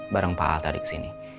bareng pak al tadi kesini